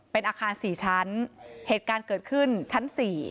เป็นอาคาร๔ชั้นเหตุการณ์เกิดขึ้นชั้น๔